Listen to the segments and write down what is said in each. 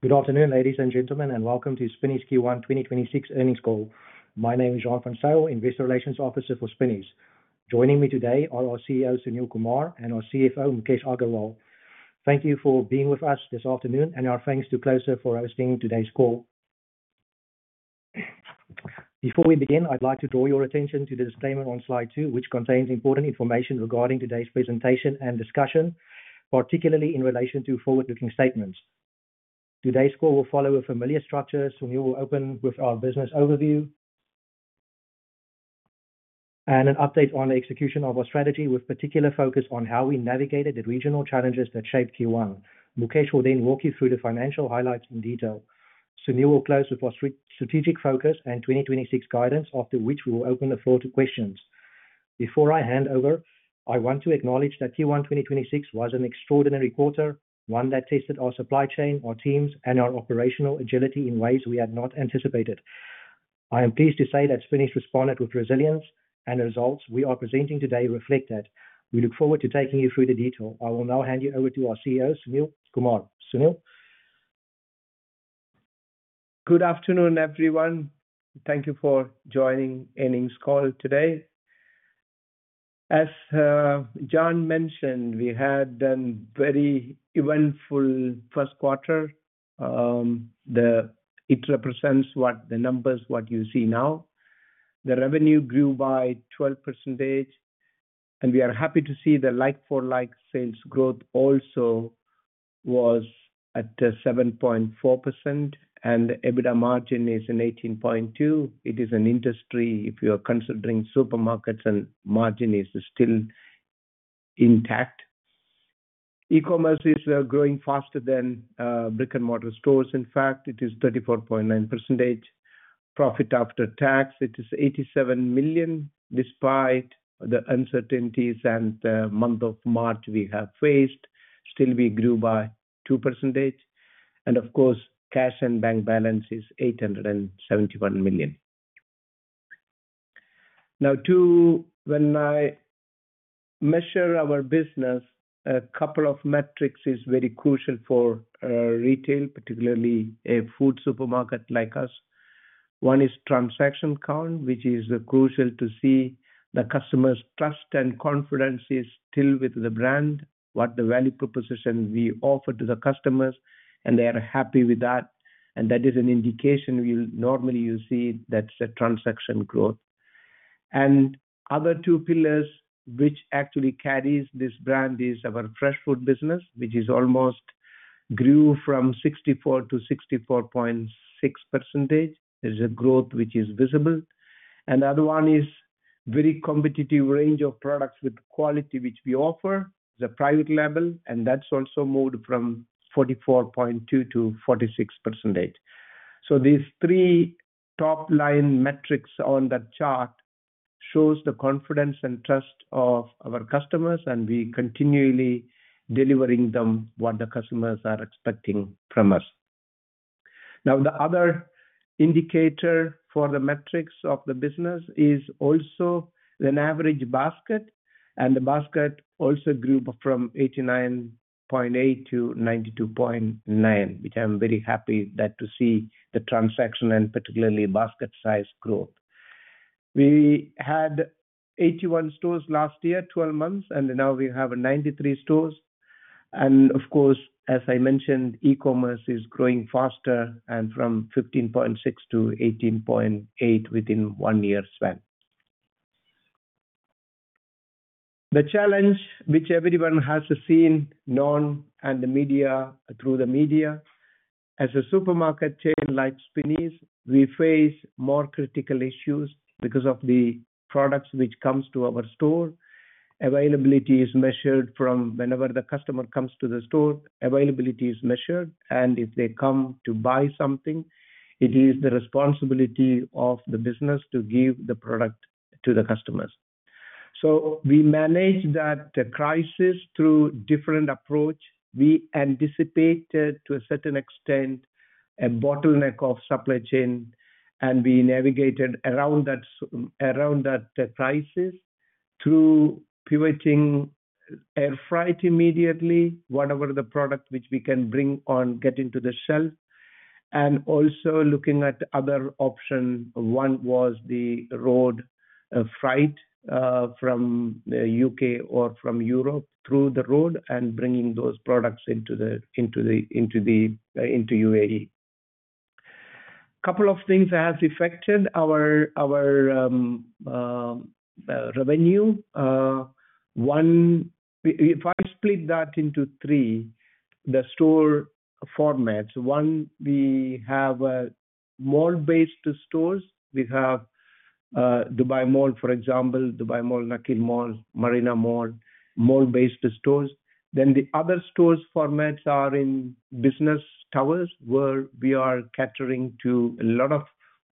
Good afternoon, ladies and gentlemen, and welcome to Spinneys' Q1 2026 earnings call. My name is Jean Jacque van Zyl, Investor Relations Officer for Spinneys. Joining me today are our CEO, Sunil Kumar, and our CFO, Mukesh Agarwal. Thank you for being with us this afternoon, and our thanks to Closir for hosting today's call. Before we begin, I'd like to draw your attention to the disclaimer on slide two, which contains important information regarding today's presentation and discussion, particularly in relation to forward-looking statements. Today's call will follow a familiar structure. Sunil will open with our business overview and an update on the execution of our strategy, with particular focus on how we navigated the regional challenges that shaped Q1. Mukesh will then walk you through the financial highlights in detail. Sunil will close with our strategic focus and 2026 guidance, after which we will open the floor to questions. Before I hand over, I want to acknowledge that Q1 2026 was an extraordinary quarter, one that tested our supply chain, our teams, and our operational agility in ways we had not anticipated. I am pleased to say that Spinneys responded with resilience, and the results we are presenting today reflect that. We look forward to taking you through the detail. I will now hand you over to our CEO, Sunil Kumar. Sunil. Good afternoon, everyone. Thank you for joining earnings call today. As Jean mentioned, we had a very eventful first quarter. It represents what the numbers, what you see now. The revenue grew by 12%, we are happy to see the like-for-like sales growth also was at 7.4%, and EBITDA margin is in 18.2%. It is an industry, if you are considering supermarkets, margin is still intact. e-commerce is growing faster than brick-and-mortar stores. In fact, it is 34.9%. Profit after tax, it is 87 million, despite the uncertainties and the month of March we have faced, still we grew by 2%. Of course, cash and bank balance is 871 million. Now two, when I measure our business, a couple of metrics is very crucial for retail, particularly a food supermarket like us. One is transaction count, which is crucial to see the customer's trust and confidence is still with the brand, what the value proposition we offer to the customers, and they are happy with that. That is an indication normally you see that's a transaction growth. Other two pillars which actually carries this brand is our fresh food business, which is almost grew from 64% to 64.6% is a growth which is visible. Another one is very competitive range of products with quality which we offer, the private label, and that's also moved from 44.2% to 46%. These three top-line metrics on the chart shows the confidence and trust of our customers, and we continually delivering them what the customers are expecting from us. The other indicator for the metrics of the business is also an average basket, and the basket also grew from 89.8 to 92.9, which I'm very happy that to see the transaction and particularly basket size growth. We had 81 stores last year, 12 months, Now we have 93 stores. Of course, as I mentioned, e-commerce is growing faster and from 15.6 to 18.8 within one year span. The challenge which everyone has seen, known, and through the media, as a supermarket chain like Spinneys, we face more critical issues because of the products which comes to our store. Availability is measured from whenever the customer comes to the store, availability is measured. If they come to buy something, it is the responsibility of the business to give the product to the customers. We manage that crisis through different approach. We anticipated to a certain extent a bottleneck of supply chain. We navigated around that crisis through pivoting air freight immediately, whatever the product which we can bring on getting to the shelf. Also looking at other option, one was the road freight from the U.K. or from Europe through the road and bringing those products into the UAE. Couple of things has affected our revenue. One, if I split that into three, the store formats. One, we have mall-based stores. We have Dubai Mall, for example, Dubai Mall, Nakheel Mall, Marina Mall, mall-based stores. The other stores formats are in business towers, where we are catering to a lot of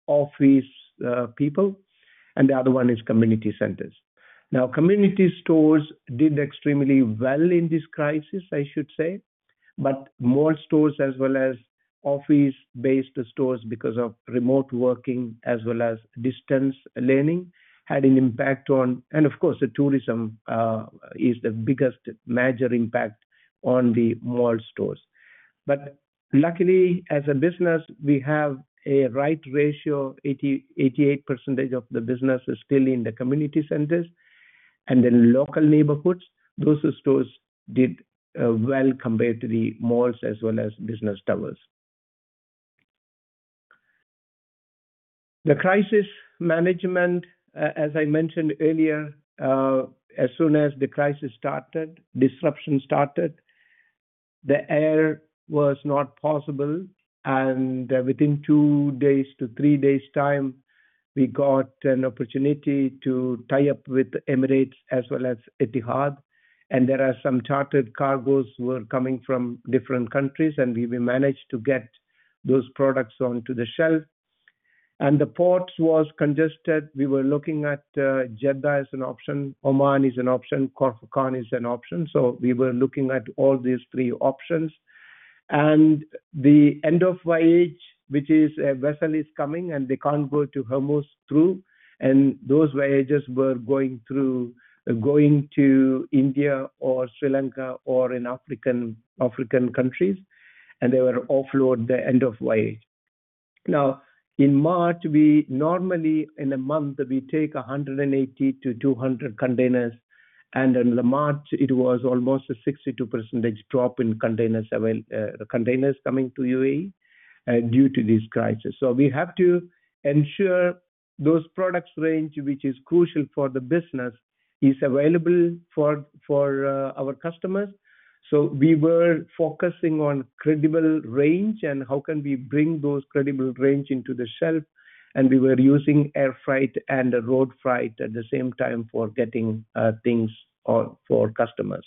office people. The other one is community centers. Now, community stores did extremely well in this crisis, I should say. More stores as well as office-based stores because of remote working as well as distance learning had an impact on. Of course, the tourism is the biggest major impact on the mall stores. Luckily, as a business, we have a right ratio, 80%, 88% of the business is still in the community centers and in local neighborhoods. Those stores did well compared to the malls as well as business towers. The crisis management, as I mentioned earlier, as soon as the crisis started, disruption started, the air was not possible, and within two days to three days' time, we got an opportunity to tie up with Emirates as well as Etihad, and there are some chartered cargos were coming from different countries, and we managed to get those products onto the shelf. The ports was congested. We were looking at Jeddah as an option, Oman is an option, Khor Fakkan is an option. We were looking at all these three options. The end of voyage, which is a vessel is coming, and they can't go to Hormuz through, and those voyages were going through, going to India or Sri Lanka or in African countries, and they were offloaded the end of voyage. In March, we normally in a month, we take 180-200 containers, in March, it was almost a 62% drop in containers coming to UAE due to this crisis. We have to ensure those products range, which is crucial for the business, is available for our customers. We were focusing on credential range and how can we bring those credential range into the shelf, we were using air freight and road freight at the same time for getting things or for customers.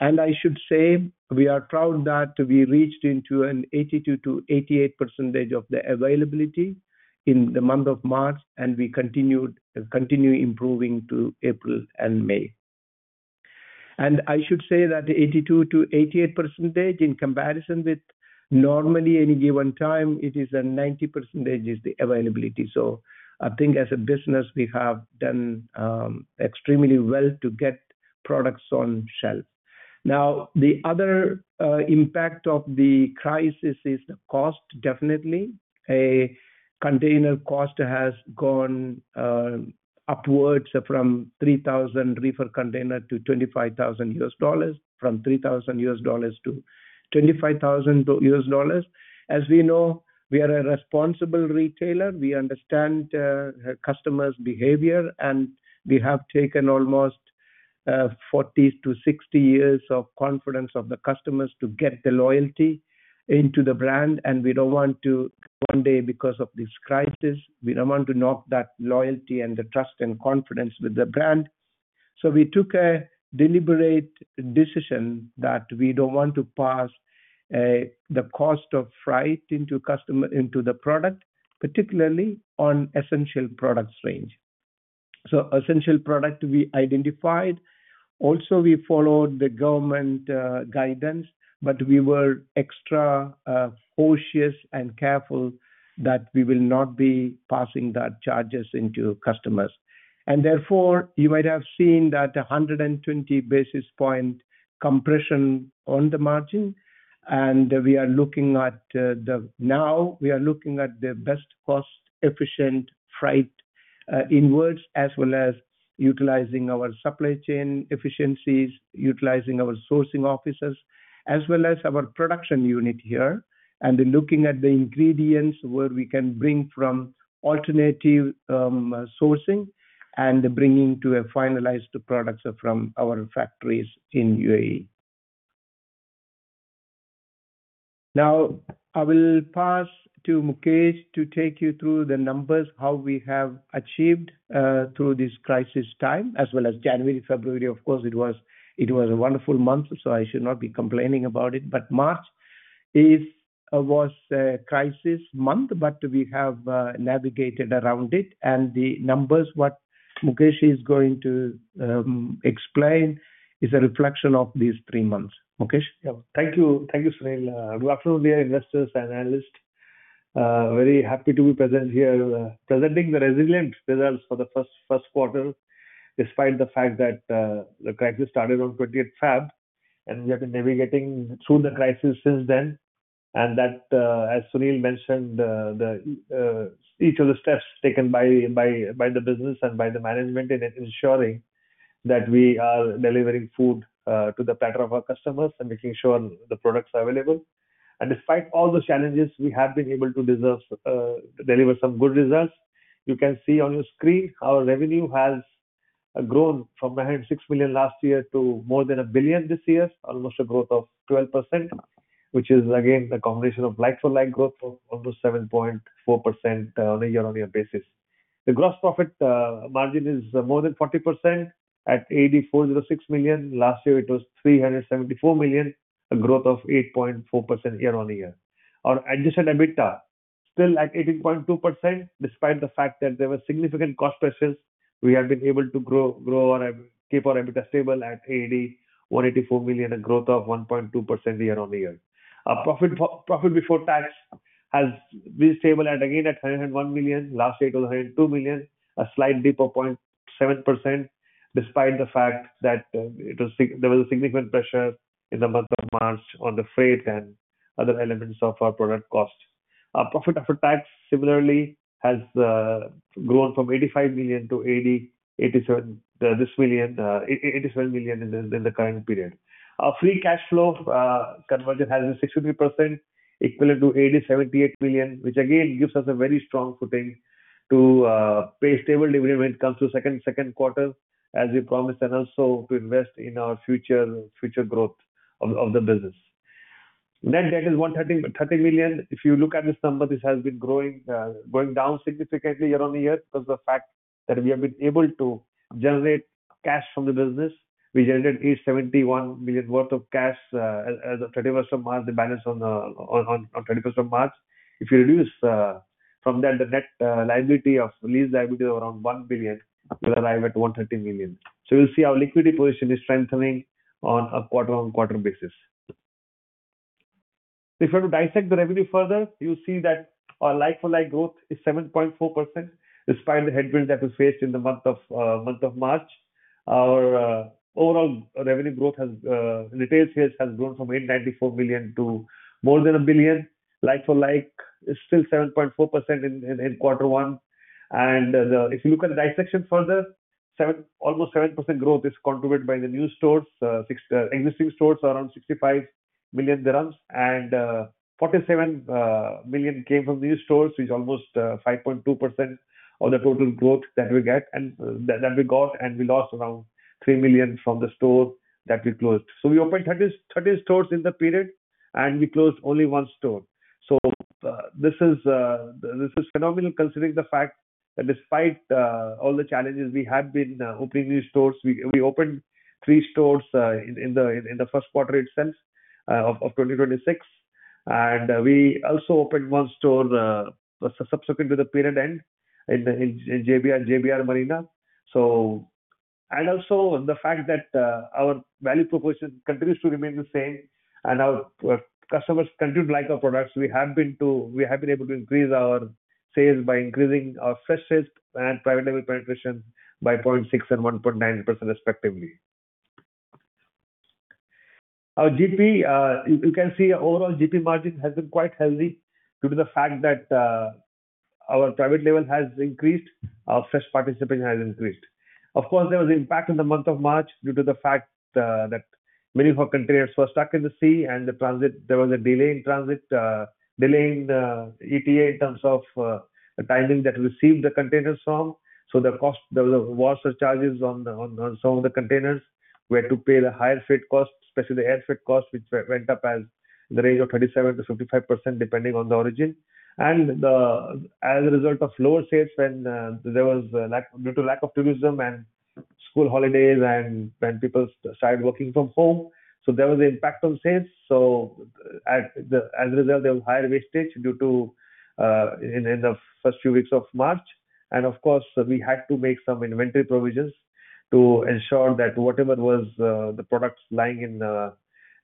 I should say we are proud that we reached into an 82%-88% of the availability in the month of March, we continued improving to April and May. I should say that the 82%-88% in comparison with normally any given time, it is a 90% is the availability. I think as a business, we have done extremely well to get products on shelf. The other impact of the crisis is the cost, definitely. A container cost has gone upwards from $3,000 reefer container to $25,000, from $3,000 to $25,000. As we know, we are a responsible retailer. We understand customers' behavior, and we have taken almost 40-60 years of confidence of the customers to get the loyalty into the brand, and we don't want to one day because of this crisis, we don't want to knock that loyalty and the trust and confidence with the brand. We took a deliberate decision that we don't want to pass the cost of freight into customer, into the product, particularly on essential products range. Essential product we identified. Also, we followed the government guidance, but we were extra cautious and careful that we will not be passing that charges into customers. Therefore, you might have seen that 120 basis point compression on the margin, and we are looking at the best cost-efficient freight inwards, as well as utilizing our supply chain efficiencies, utilizing our sourcing offices, as well as our production unit here, and then looking at the ingredients where we can bring from alternative sourcing and bringing to a finalized products from our factories in UAE. Now, I will pass to Mukesh to take you through the numbers, how we have achieved through this crisis time, as well as January, February, of course, it was a wonderful month, so I should not be complaining about it. March is was a crisis month, but we have navigated around it. The numbers, what Mukesh is going to explain, is a reflection of these three months. Mukesh? Yeah. Thank you. Thank you, Sunil. Good afternoon, dear investors and analysts. Very happy to be present here, presenting the resilient results for the first quarter, despite the fact that the crisis started on 20th February, we have been navigating through the crisis since then. As Sunil mentioned, each of the steps taken by the business and by the management in ensuring that we are delivering food to the platter of our customers and making sure the products are available. Despite all those challenges, we have been able to deliver some good results. You can see on your screen our revenue has grown from 906 million last year to more than 1 billion this year, almost a growth of 12%, which is again a combination of like-for-like growth of almost 7.4% on a year-on-year basis. The gross profit margin is more than 40% at 406 million. Last year, it was 374 million, a growth of 8.4% year-on-year. Our adjusted EBITDA still at 18.2%, despite the fact that there were significant cost pressures, we have been able to keep our EBITDA stable at 184 million, a growth of 1.2% year-on-year. Our profit before tax has been stable at, again, at 101 million. Last year it was 102 million. A slight dip of 0.7% despite the fact that there was a significant pressure in the month of March on the freight and other elements of our product costs. Our profit after tax similarly has grown from 85 million to 87 million in the current period. Our free cash flow conversion has been 63%, equivalent to 78 million, which again gives us a very strong footing to pay stable dividend when it comes to second quarter, as we promised, and also to invest in our future growth of the business. Net debt is 130 million. If you look at this number, this has been growing, going down significantly year-on-year because of the fact that we have been able to generate cash from the business. We generated 71 million worth of cash as of 31st of March. The balance on 31st of March. If you reduce from that the net lease liability of around 1 billion, you arrive at 130 million. You'll see our liquidity position is strengthening on a quarter-on-quarter basis. If you were to dissect the revenue further, you'll see that our like-for-like growth is 7.4% despite the headwinds that we faced in the month of March. Our overall revenue growth has retail sales has grown from 894 million to more than 1 billion. Like-for-like is still 7.4% in quarter one. If you look at dissection further, almost 7% growth is contributed by the new stores. Six existing stores are around 65 million dirhams and 47 million came from new stores, which is almost 5.2% of the total growth that we get and that we got, and we lost around 3 million from the store that we closed. We opened 30 stores in the period, and we closed only one store. This is phenomenal considering the fact that despite all the challenges, we have been opening new stores. We opened three stores in the first quarter itself of 2026. We also opened one store subsequent to the period end in JBR Marina. The fact that our value proposition continues to remain the same and our customers continue to like our products. We have been able to increase our sales by increasing our fresh sales and private label penetration by 0.6% and 1.9% respectively. Our GP, you can see overall GP margin has been quite healthy due to the fact that our private label has increased, our fresh participation has increased. Of course, there was impact in the month of March due to the fact that many of our containers were stuck in the sea and the transit. There was a delay in transit, delay in ETA in terms of the timing that we received the containers from. The cost, there was charges on some of the containers. We had to pay the higher freight costs, especially the air freight costs, which went up as in the range of 37%-55%, depending on the origin. As a result of lower sales when, due to lack of tourism and school holidays and when people started working from home, there was impact on sales. As a result, there was higher wastage due to in the first few weeks of March. Of course, we had to make some inventory provisions to ensure that whatever was, the products lying in,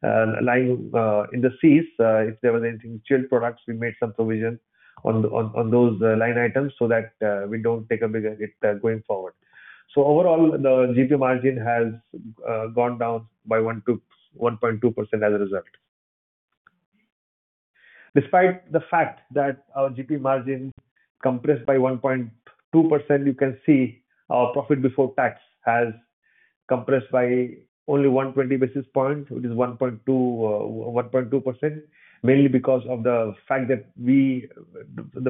lying in the seas, if there was anything, chilled products, we made some provision on those line items so that we don't take a bigger hit going forward. Overall, the GP margin has gone down by 1%-1.2% as a result. Despite the fact that our GP margin compressed by 1.2%, you can see our profit before tax has compressed by only 120 basis points, which is 1.2%, mainly because of the fact that the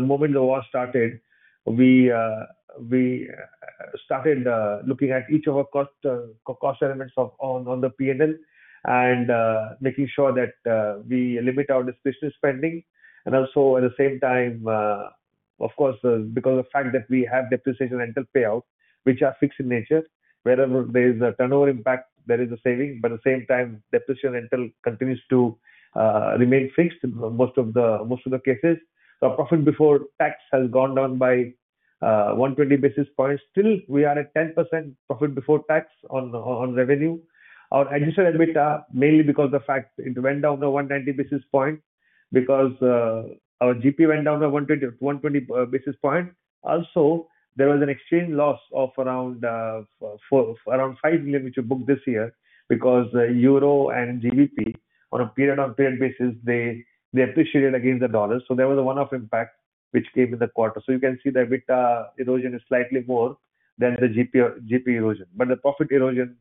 moment the war started, we started looking at each of our cost elements on the P&L and making sure that we limit our discretionary spending. Also at the same time, of course, because of the fact that we have depreciation rental payout, which are fixed in nature. Wherever there is a turnover impact, there is a saving, at the same time, depreciation rental continues to remain fixed in most of the cases. Profit before tax has gone down by 120 basis points. Still we are at 10% profit before tax on revenue. Our adjusted EBITDA, mainly because the fact it went down to 190 basis points because our GP went down to 120 basis points. Also, there was an exchange loss of around 5 million, which we booked this year because euro and GBP on a period on period basis, they appreciated against the dollar. There was a one-off impact which came in the quarter. You can see the EBITDA erosion is slightly more than the GP or GP erosion. The profit erosion,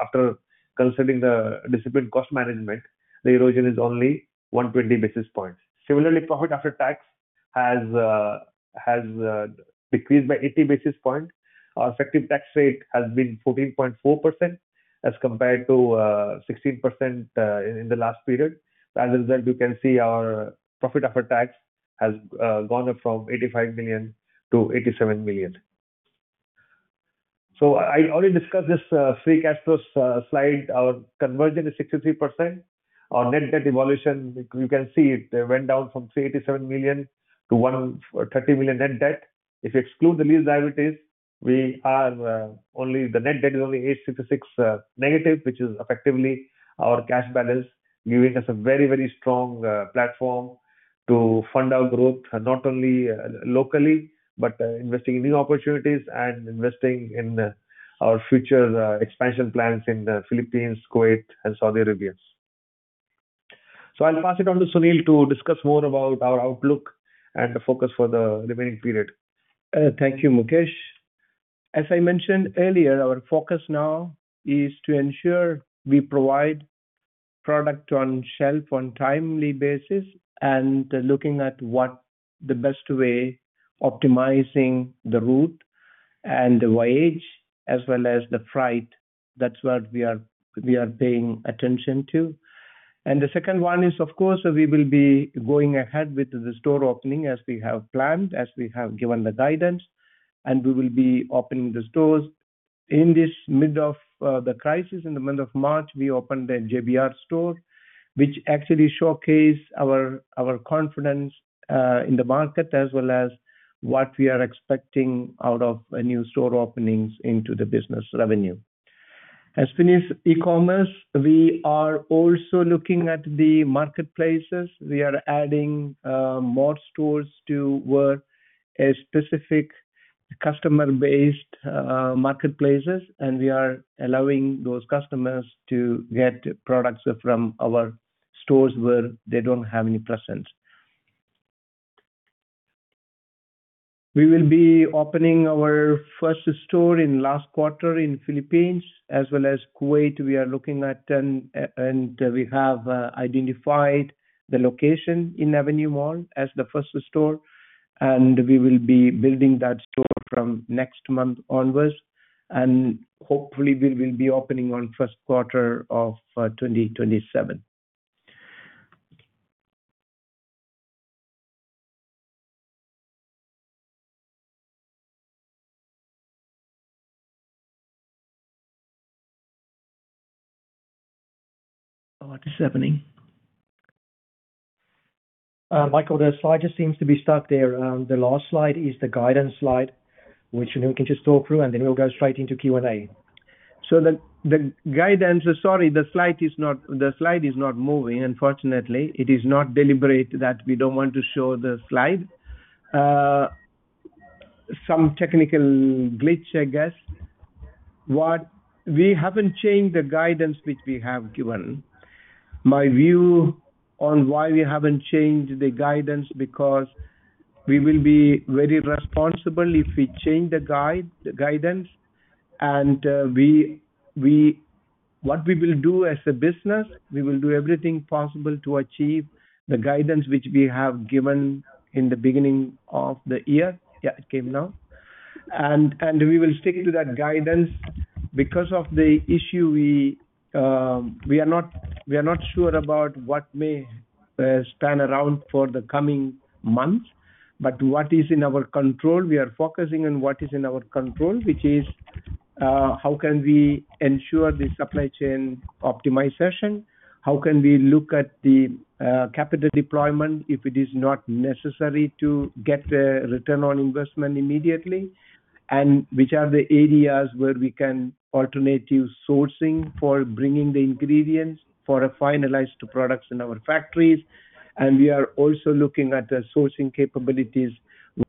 after considering the disciplined cost management, the erosion is only 120 basis points. Similarly, profit after tax has decreased by 80 basis points. Our effective tax rate has been 14.4% as compared to 16% in the last period. As a result, you can see our profit after tax has gone up from 85 million to 87 million. I already discussed this free cash flows slide. Our conversion is 63%. Our net debt evolution, you can see it went down from 387 million to 130 million net debt. If you exclude the lease liabilities, we are only the net debt is only 866-, which is effectively our cash balance, giving us a very, very strong platform to fund our growth, not only locally, but investing in new opportunities and investing in our future expansion plans in the Philippines, Kuwait, and Saudi Arabia. I'll pass it on to Sunil to discuss more about our outlook and the focus for the remaining period. Thank you, Mukesh. As I mentioned earlier, our focus now is to ensure we provide product on shelf on timely basis and looking at what the best way optimizing the route and the voyage as well as the freight. That's what we are paying attention to. The second one is, of course, we will be going ahead with the store opening as we have planned, as we have given the guidance, and we will be opening the stores. In this mid of the crisis, in the mid of March, we opened a JBR store, which actually showcase our confidence in the market as well as what we are expecting out of a new store openings into the business revenue. Spinneys e-commerce, we are also looking at the marketplaces. We are adding more stores to where a specific customer-based marketplaces, and we are allowing those customers to get products from our stores where they don't have any presence. We will be opening our first store in last quarter in Philippines as well as Kuwait. We are looking at and we have identified the location in Avenue Mall as the first store. We will be building that store from next month onwards. Hopefully, we will be opening on first quarter of 2027. What is happening? Michael, the slide just seems to be stuck there. The last slide is the guidance slide, which Sunil can just talk through. Then we'll go straight into Q&A. The guidance. Sorry, the slide is not moving, unfortunately. It is not deliberate that we don't want to show the slide. Some technical glitch, I guess. We haven't changed the guidance which we have given. My view on why we haven't changed the guidance because we will be very responsible if we change the guidance, and we will do as a business, we will do everything possible to achieve the guidance which we have given in the beginning of the year. Yeah, it came now. We will stick to that guidance. Because of the issue we are not sure about what may span around for the coming months. What is in our control, we are focusing on what is in our control, which is, how can we ensure the supply chain optimization? How can we look at the capital deployment if it is not necessary to get a return on investment immediately? Which are the areas where we can alternative sourcing for bringing the ingredients for a finalized products in our factories? We are also looking at the sourcing capabilities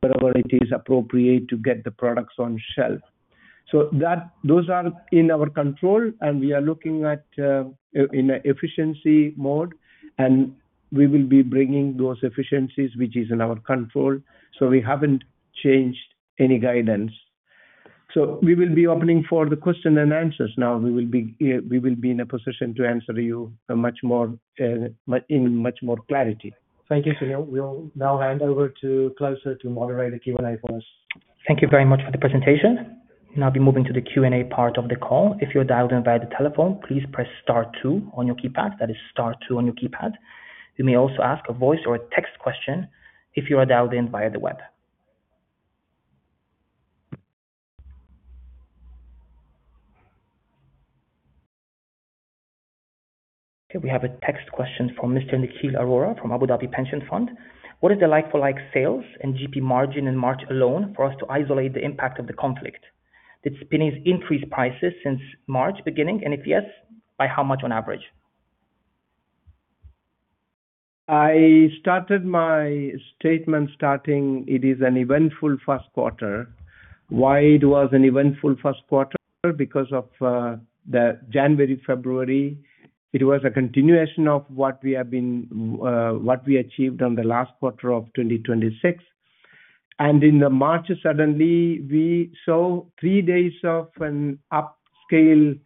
wherever it is appropriate to get the products on shelf. Those are in our control and we are looking at in a efficiency mode, and we will be bringing those efficiencies which is in our control, so we haven't changed any guidance. We will be opening for the questions and answers now. We will be in a position to answer you a much more clarity. Thank you, Sunil. We'll now hand over to Klaus to moderate the Q&A for us. Thank you very much for the presentation. Now we're moving to the Q&A part of the call. If you're dialed in via the telephone, please press star two on your keypad. That is star two on your keypad. You may also ask a voice or a text question if you are dialed in via the web. Okay, we have a text question from Mr. Nikhil Arora from Abu Dhabi Pension Fund. What is the like-for-like sales and GP margin in March alone for us to isolate the impact of the conflict? Did Spinneys increase prices since March beginning? If yes, by how much on average? I started my statement starting it is an eventful first quarter. Why was it an eventful first quarter? Because of the January, February, it was a continuation of what we have been, what we achieved on the last quarter of 2026. In the March, suddenly we saw three days of an upscale,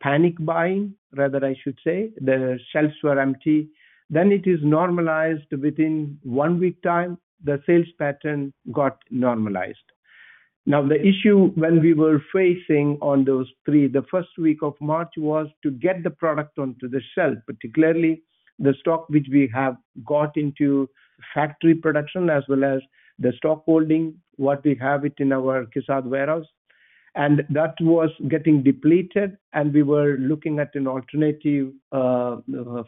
panic buying, rather I should say. The shelves were empty. It is normalized within one week time. The sales pattern got normalized. The issue when we were facing on those three, the first week of March, was to get the product onto the shelf, particularly the stock which we have got into factory production as well as the stock holding what we have it in our Qusais warehouse. That was getting depleted, and we were looking at an alternative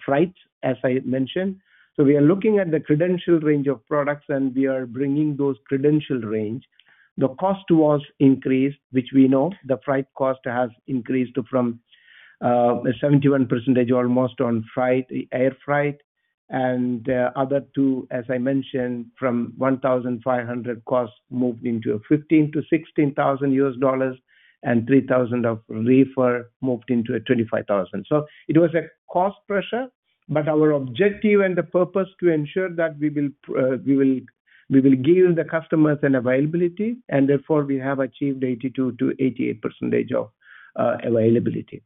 freight, as I mentioned. We are looking at the credential range of products, and we are bringing those credential range. The cost was increased, which we know. The freight cost has increased from 71% almost on freight, air freight. Other two, as I mentioned, from 1,500 cost moved into $15,000-$16,000, and 3,000 of reefer moved into $25,000. It was a cost pressure, but our objective and the purpose to ensure that we will give the customers an availability, and therefore, we have achieved 82%-88% of availability.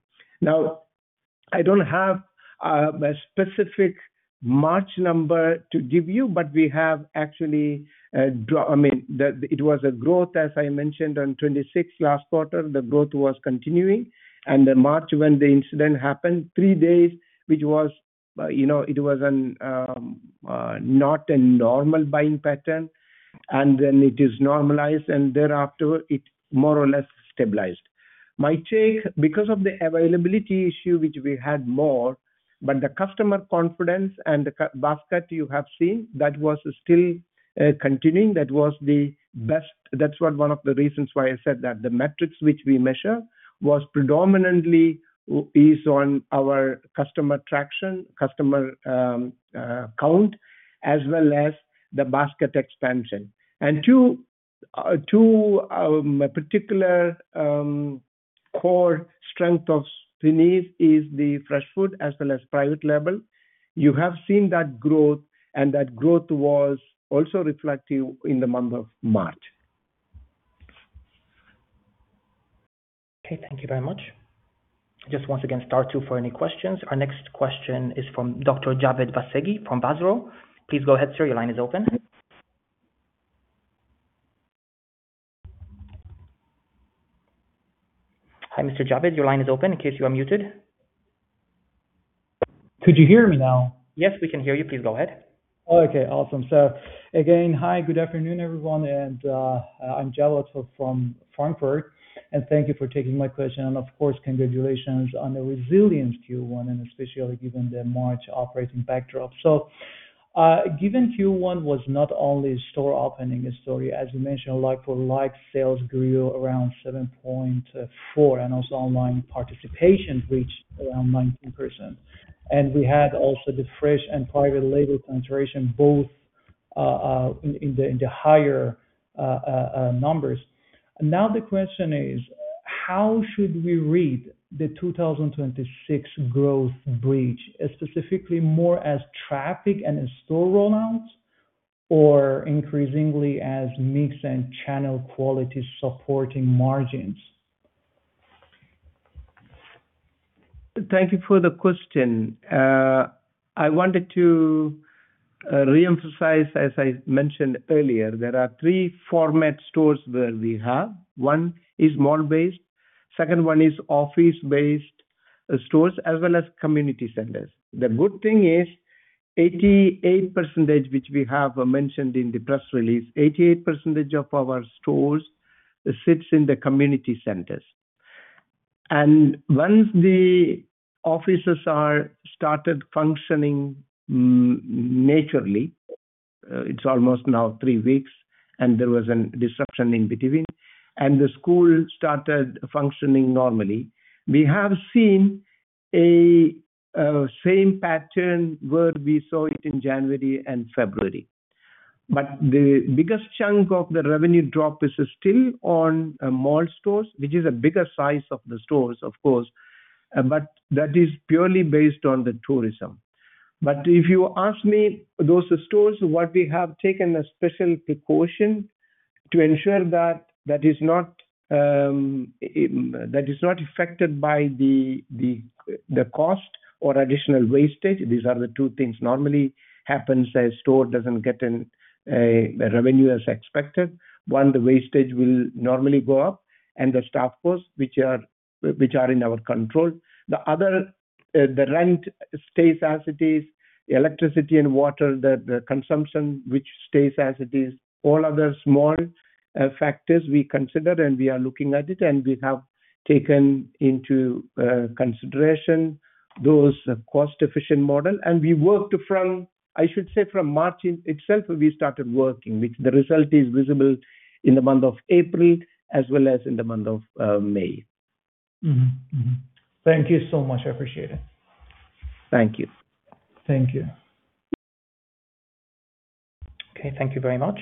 I don't have a specific March number to give you, but we have actually, I mean, the, it was a growth, as I mentioned, on 26th last quarter, the growth was continuing. Then March, when the incident happened, three days, which was not a normal buying pattern. Then it is normalized, and thereafter, it more or less stabilized. My take, because of the availability issue, which we had more, but the customer confidence and the basket you have seen, that was still continuing. That's one of the reasons why I said that. The metrics which we measure was predominantly is on our customer traction, customer count, as well as the basket expansion. Two particular core strength of Spinneys is the fresh food as well as private label. You have seen that growth, and that growth was also reflective in the month of March. Okay, thank you very much. Just once again, star two for any questions. Our next question is from Dr. Javad Vaseghi from VASRO. Please go ahead, sir. Your line is open. Hi, Mr. Javad. Your line is open in case you are muted. Could you hear me now? Yes, we can hear you. Please go ahead. Okay, awesome. Again, hi, good afternoon, everyone. I'm Javad from Frankfurt, and thank thank you for taking my question. Of course, congratulations on the resilient Q1, and especially given the March operating backdrop. Given Q1 was not only store opening story, as you mentioned, like-for-like sales grew around 7.4, and also online participation reached around 19%. We had also the fresh and private label penetration both in the higher numbers. The question is: How should we read the 2026 growth bridge, specifically more as traffic and in-store roll-outs or increasingly as mix and channel quality supporting margins? Thank you for the question. I wanted to reemphasize, as I mentioned earlier, there are three format stores that we have. One is mall-based, second one is office-based stores, as well as community centers. The good thing is 88%, which we have mentioned in the press release, 88% of our stores sits in the community centers. Once the offices are started functioning naturally, it's almost now three weeks, and there was an disruption in between, and the school started functioning normally. We have seen a same pattern where we saw it in January and February. The biggest chunk of the revenue drop is still on mall stores, which is a bigger size of the stores, of course, but that is purely based on the tourism. If you ask me, those stores, what we have taken a special precaution to ensure that that is not, it, that is not affected by the cost or additional wastage. These are the two things normally happens as store doesn't get a revenue as expected. One, the wastage will normally go up and the staff cost, which are in our control. The other, the rent stays as it is. Electricity and water, the consumption, which stays as it is. All other small factors we consider, and we are looking at it, and we have taken into consideration those cost-efficient model. We worked from, I should say from March itself, we started working, which the result is visible in the month of April as well as in the month of May. Mm-hmm. Mm-hmm. Thank you so much. I appreciate it. Thank you. Thank you. Thank you very much.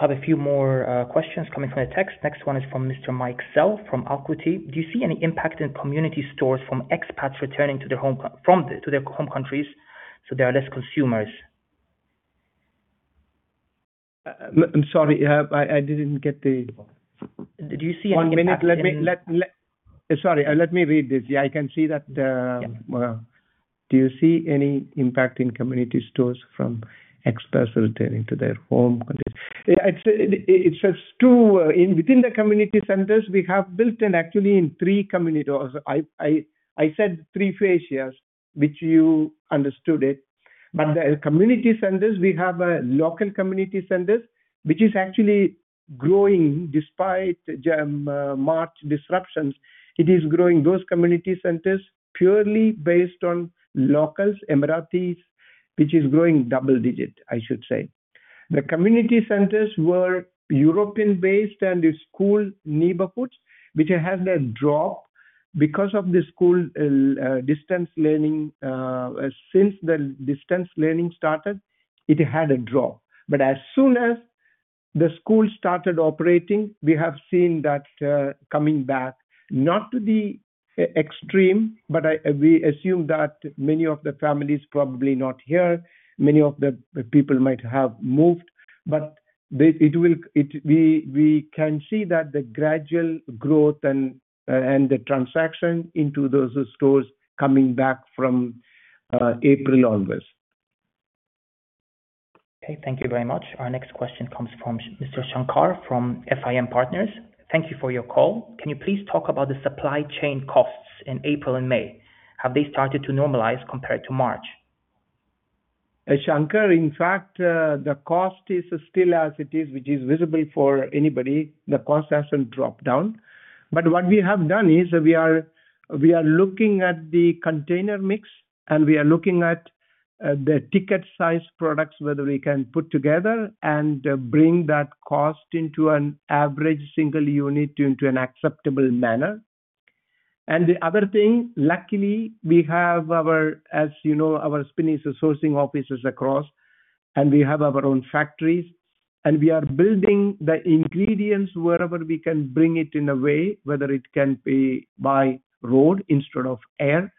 Have a few more questions coming from the text. Next one is from Mr. Mike Sell from Alquity. Do you see any impact in community stores from expats returning to their home countries, so there are less consumers? I'm sorry. I didn't get. Do you see any impact in- One minute. Let me Sorry, let me read this. Yeah, I can see that. Yeah. Do you see any impact in community stores from expats returning to their their home country? Yeah, it's, it says two, within the community centers, we have built in actually in three community stores. I said three phases, which you understood it. The community centers, we have local community centers which is actually growing despite March disruptions. It is growing those community centers purely based on locals, Emiratis, which is growing double-digit, I should say. The community centers were European-based and the school neighborhoods, which has a drop because of the school, distance learning. Since the distance learning started, it had a drop. As soon as the school started operating, we have seen that, coming back, not to the extreme, but we assume that many of the families probably not here, many of the people might have moved. We can see that the gradual growth and the transaction into those stores coming back from April onwards. Okay. Thank you very much. Our next question comes from Mr. Shankar from FIM Partners. Thank you for your call. Can you please talk about the supply chain costs in April and May? Have they started to normalize compared to March? Shankar, in fact, the cost is still as it is, which is visible for anybody. The cost hasn't dropped down. What we have done is we are looking at the container mix, and we are looking at the ticket size products, whether we can put together and bring that cost into an average single unit into an acceptable manner. The other thing, luckily, we have our, as you know, our Spinneys' sourcing offices across, and we have our own factories. We are building the ingredients wherever we can bring it in a way, whether it can be by road instead of air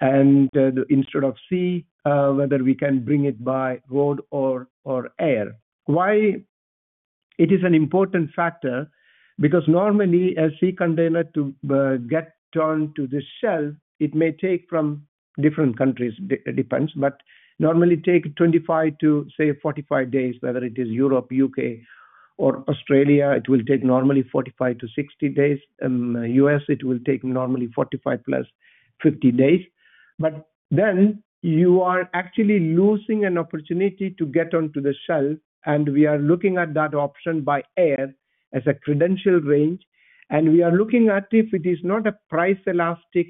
and instead of sea, whether we can bring it by road or air. Why it is an important factor? Normally a sea container to get onto the shelf, it may take from different countries, but normally take 25-45 days, whether it is Europe, U.K., or Australia, it will take normally 45-60 days. U.S., it will take normally 45+, 50 days. You are actually losing an opportunity to get onto the shelf, and we are looking at that option by air as a credential range. We are looking at if it is not a price elastic,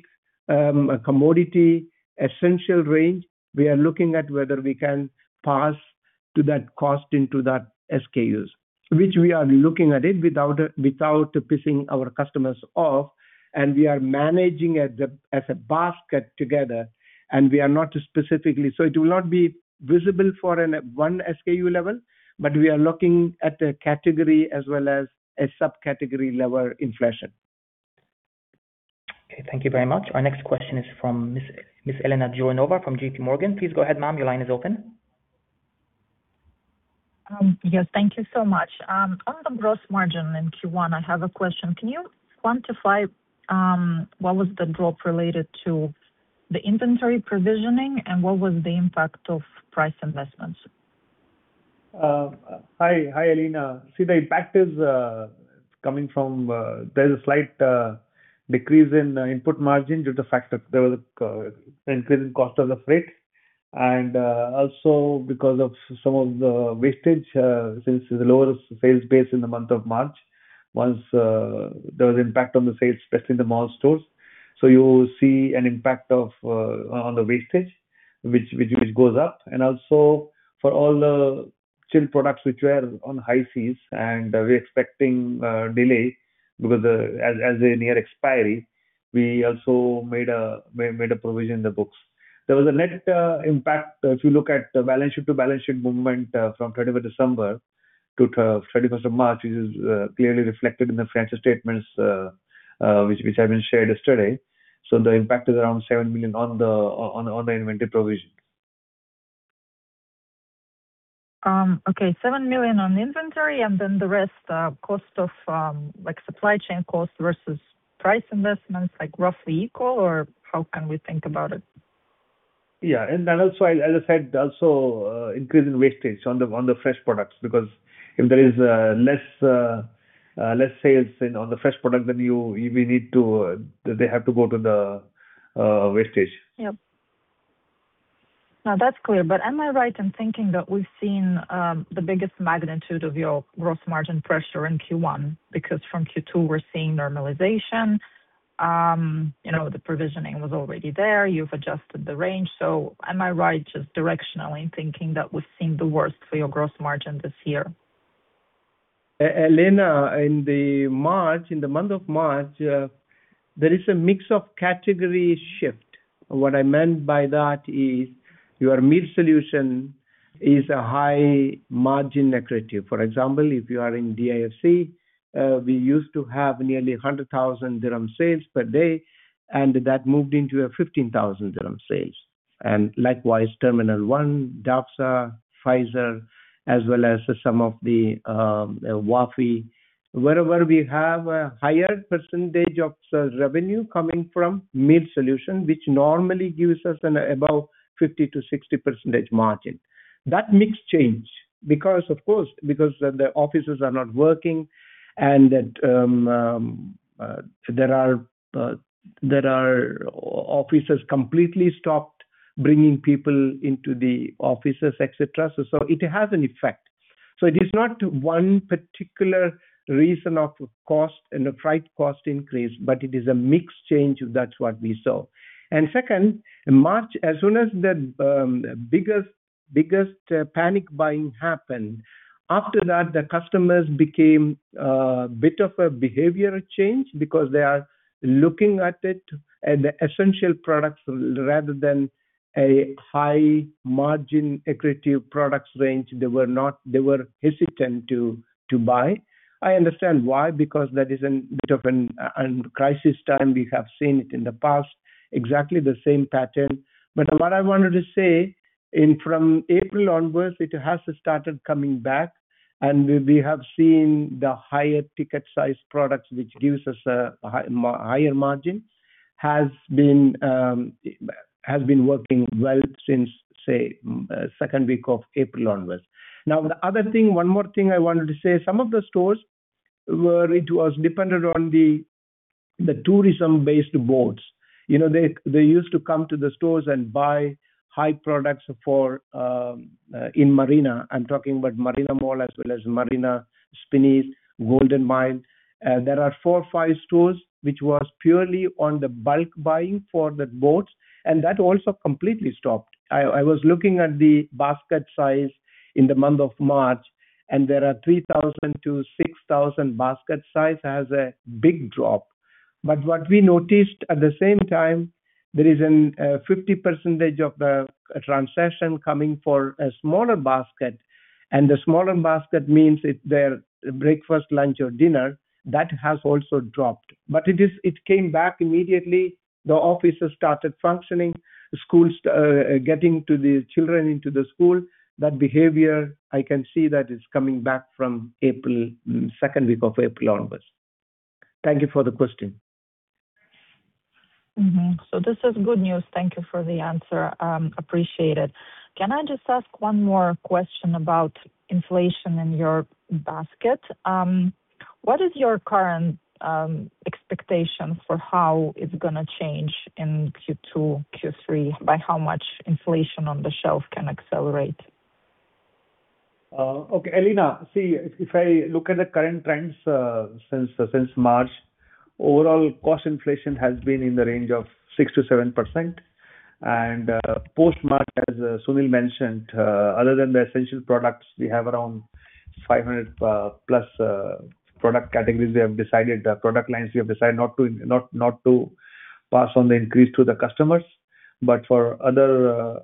commodity essential range, we are looking at whether we can pass that cost into those SKUs, which we are looking at without pissing our customers off. We are managing as a basket together. We are not specifically. It will not be visible for a one SKU level, but we are looking at a category as well as a subcategory level inflation. Okay. Thank you very much. Our next question is from Miss Elena Jouronova from J.P. Morgan. Please go ahead, ma'am. Your line is open. Yes. Thank you so much. On the gross margin in Q1, I have a question. Can you quantify, what was the drop related to the inventory provisioning, and what was the impact of price investments? Hi, Elena. See, the impact is coming from there's a slight decrease in input margin due to the fact that there was a increase in cost of the freight and also because of some of the wastage since the lower sales base in the month of March. Once there was impact on the sales, especially in the mall stores. You see an impact of on the wastage which goes up. Also for all the chilled products which were on high seas, and we're expecting delay because as they near expiry, we also made a provision in the books. There was a net impact, if you look at the balance sheet to balance sheet movement, from 25th December to 21st of March, which is clearly reflected in the financial statements, which have been shared yesterday. The impact is around 7 million on the inventory provisions. Okay. 7 million on inventory, and then the rest, cost of supply chain costs versus price investments, like roughly equal, or how can we think about it? Yeah. Then also, as I said, also, increase in wastage on the fresh products because if there is less sales on the fresh product, then they have to go to the wastage. Yep. No, that's clear. Am I right in thinking that we've seen the biggest magnitude of your gross margin pressure in Q1? Because from Q2, we're seeing normalization. You know, the provisioning was already there. You've adjusted the range. Am I right just directionally thinking that we've seen the worst for your gross margin this year? Elena, in the month of March, there is a mix of category shift. What I meant by that is your meal solution is a high margin negative. For example, if you are in DIFC, we used to have nearly 100,000 dirham sales per day, and that moved into a 15,000 dirham sales. Likewise, Terminal 1, DAFZA, [Pfizer], as well as some of the Wafi. Wherever we have a higher percentage of revenue coming from meal solution, which normally gives us an above 50%-60% margin. That mix changed because, of course, the offices are not working and that there are offices completely stopped bringing people into the offices, et cetera. It has an effect. It is not one particular reason of cost and a price cost increase, but it is a mixed change, that's what we saw. Second, in March, as soon as the biggest panic buying happened, after that, the customers became a bit of a behavior change because they are looking at it, at the essential products rather than a high margin accretive products range. They were hesitant to buy. I understand why, because that is a bit of an crisis time. We have seen it in the past, exactly the same pattern. What I wanted to say, in from April onwards, it has started coming back and we have seen the higher ticket size products, which gives us a higher margin, has been working well since, say, second week of April onwards. The other thing, one more thing I wanted to say, some of the stores were, it was dependent on the tourism-based boats. You know, they used to come to the stores and buy high products for in Marina. I am talking about Marina Mall as well as Marina Spinneys, Golden Mile. There are four or five stores which was purely on the bulk buying for the boats, and that also completely stopped. I was looking at the basket size in the month of March, and there are 3,000-6,000 basket size has a big drop. What we noticed at the same time, there is an 50% of the transaction coming for a smaller basket, and the smaller basket means it is their breakfast, lunch or dinner. That has also dropped. It came back immediately. The offices started functioning, schools, getting to the children into the school. That behavior, I can see that it's coming back from April, second week of April onwards. Thank you for the question. This is good news. Thank you for the answer. Appreciate it. Can I just ask one more question about inflation in your basket? What is your current expectation for how it's gonna change in Q2, Q3? By how much inflation on the shelf can accelerate? Okay, Elena. If I look at the current trends, since March, overall cost inflation has been in the range of 6%-7%. Post-March, as Sunil mentioned, other than the essential products, we have around 500+ product lines we have decided not to pass on the increase to the customers. For other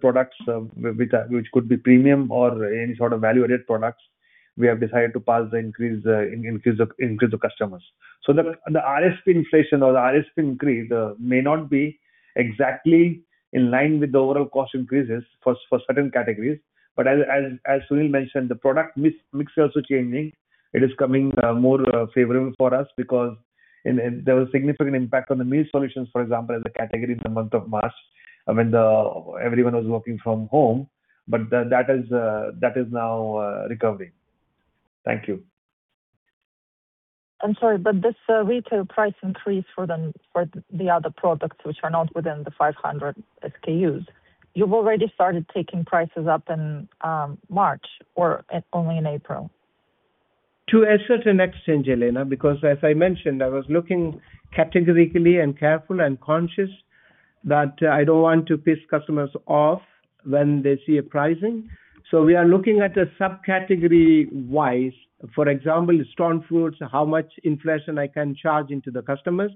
products, which could be premium or any sort of value-added products, we have decided to pass the increase to customers. The RSP inflation or the RSP increase may not be exactly in line with the overall cost increases for certain categories. As Sunil mentioned, the product mix is also changing. It is becoming more favorable for us because there was significant impact on the meal solutions, for example, as a category in the month of March when everyone was working from home. That is now recovering. Thank you. I'm sorry, but this, retail price increase for the, for the other products which are not within the 500 SKUs, you've already started taking prices up in, March or at only in April? To a certain extent, Elena, because as I mentioned, I was looking categorically and careful and conscious that I don't want to piss customers off when they see a pricing. We are looking at a subcategory-wise. For example, store fruits, how much inflation I can charge into the customers.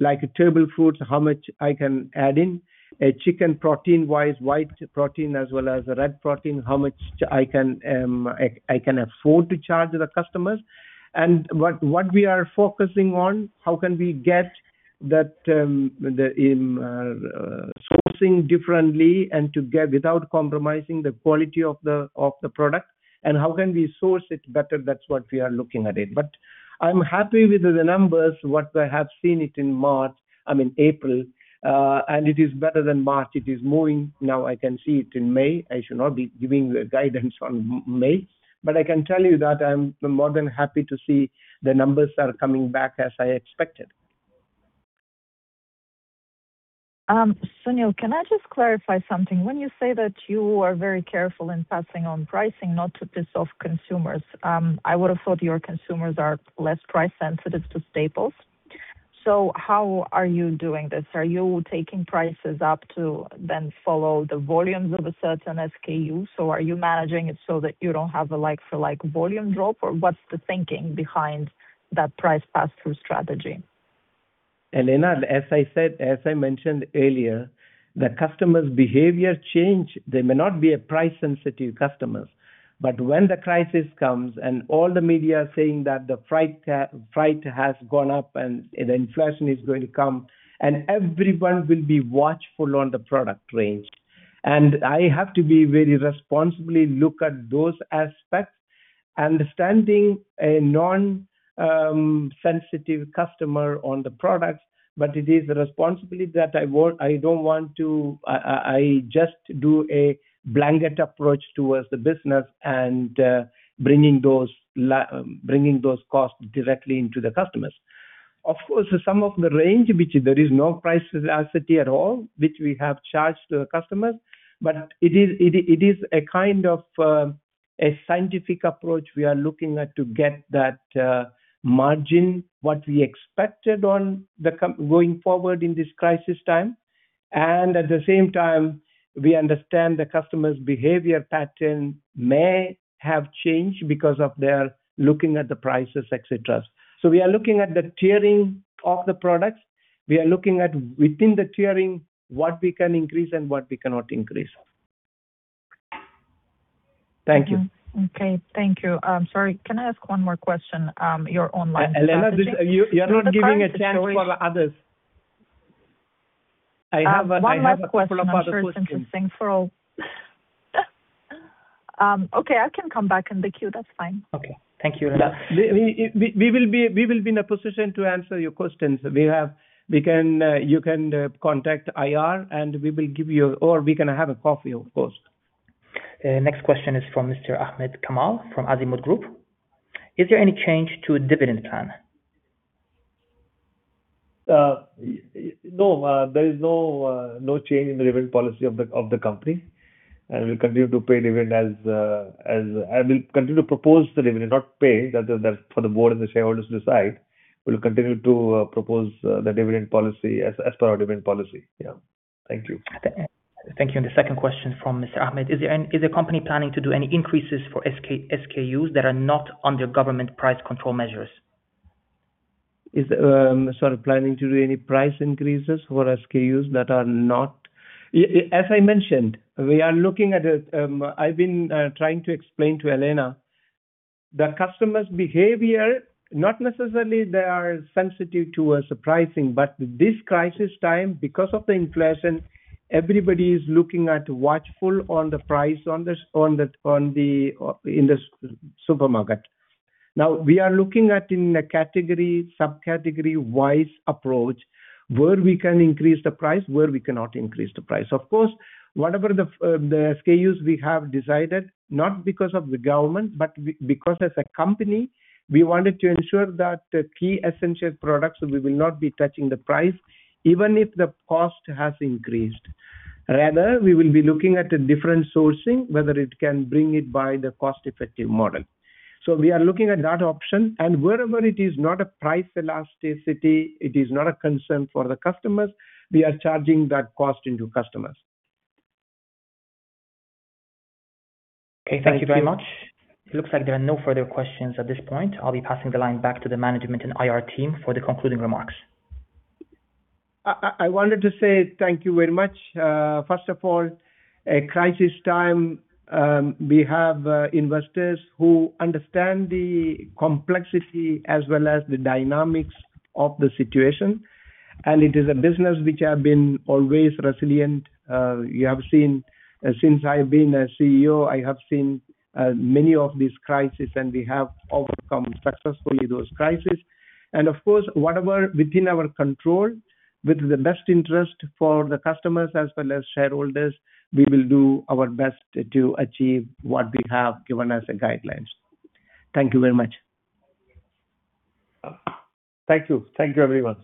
Like a table fruits, how much I can add in. A chicken protein-wise, white protein as well as red protein, how much I can, I can afford to charge the customers. What we are focusing on, how can we get that, the, sourcing differently without compromising the quality of the product, and how can we source it better? That's what we are looking at it. I'm happy with the numbers, what I have seen it in March I mean, April. It is better than March. It is moving now. I can see it in May. I should not be giving the guidance on May, but I can tell you that I'm more than happy to see the numbers are coming back as I expected. Sunil, can I just clarify something? When you say that you are very careful in passing on pricing not to piss off consumers. I would have thought your consumers are less price sensitive to staples. How are you doing this? Are you taking prices up to then follow the volumes of a certain SKU? Are you managing it so that you don't have a like-for-like volume drop? What's the thinking behind that price pass-through strategy? Elena, as I said, as I mentioned earlier, the customers' behavior change, they may not be a price sensitive customer. When the crisis comes and all the media are saying that the fright has gone up and inflation is going to come, and everyone will be watchful on the product range. I have to be very responsibly look at those aspects, understanding a non sensitive customer on the products, but it is the responsibility that I don't want to just do a blanket approach towards the business and bringing those costs directly into the customers. Of course, some of the range which there is no price elasticity at all, which we have charged the customers, but it is a kind of a scientific approach we are looking at to get that margin what we expected on the going forward in this crisis time. At the same time, we understand the customers' behavior pattern may have changed because of their looking at the prices, et cetera. We are looking at the tiering of the products. We are looking at within the tiering what we can increase and what we cannot increase. Thank you. Okay. Thank you. I'm sorry, can I ask one more question? Elena, you're not giving a chance for others. One last question. I have a couple of other questions. I'm sure it's interesting for all. Okay, I can come back in the queue, that's fine. Okay. Thank you, Elena. Yeah. We will be in a position to answer your questions. We can contact IR and we will give you or we can have a coffee, of course. The next question is from Mr. Ahmed Kamal from Azimut Group. Is there any change to dividend plan? No, there is no change in the dividend policy of the company, and we'll continue to propose the dividend, not pay. That is, that's for the board and the shareholders decide. We'll continue to propose the dividend policy as per our dividend policy. Thank you. Thank you. The second question from Mr. Ahmed. Is the company planning to do any increases for SKUs that are not under government price control measures? Is, Sorry, planning to do any price increases for SKUs that are not. Yeah, as I mentioned, we are looking at, I've been trying to explain to Elena, the customer's behavior, not necessarily they are sensitive towards the pricing, but this crisis time, because of the inflation, everybody is looking at watchful on the price on the supermarket. Now, we are looking at in a category, sub-category-wise approach, where we can increase the price, where we cannot increase the price. Of course, whatever the SKUs we have decided, not because of the government, but because as a company, we wanted to ensure that the key essential products we will not be touching the price, even if the cost has increased. Rather, we will be looking at a different sourcing, whether it can bring it by the cost-effective model. We are looking at that option. Wherever it is not a price elasticity, it is not a concern for the customers, we are charging that cost into customers. Okay. Thank you very much. It looks like there are no further questions at this point. I'll be passing the line back to the management and IR team for the concluding remarks. I wanted to say thank you very much. First of all, a crisis time, we have investors who understand the complexity as well as the dynamics of the situation. It is a business which have been always resilient. You have seen, since I've been a CEO, I have seen many of these crisis, and we have overcome successfully those crisis. Of course, whatever within our control, with the best interest for the customers as well as shareholders, we will do our best to achieve what we have given as guidelines. Thank you very much. Thank you. Thank you, everyone.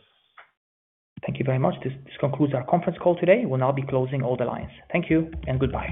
Thank you very much. This concludes our conference call today. We'll now be closing all the lines. Thank you and goodbye.